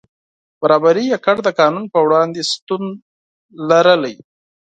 برابري یوازې د قانون په وړاندې شتون درلود.